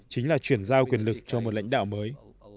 chính là chuyển giao quyền lực cho một lãnh đạo mới